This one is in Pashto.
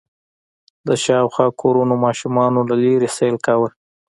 د شاوخوا کورونو ماشومانو له لېرې سيل کوه.